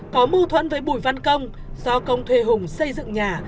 có mâu thuẫn với bùi văn công do công thuê hùng xây dựng nhà